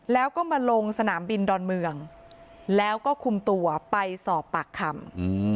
แล้วก็มาลงสนามบินดอนเมืองแล้วก็คุมตัวไปสอบปากคำ